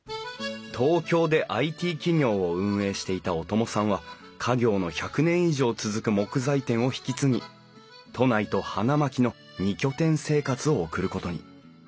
東京でＩＴ企業を運営していた小友さんは家業の１００年以上続く木材店を引き継ぎ都内と花巻の２拠点生活を送ることに。